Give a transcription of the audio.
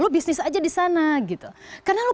lo bisnis aja di sana gitu karena lo